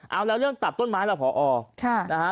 เอาแล้วเรื่องตัดต้นไม้ล่ะพอนะฮะ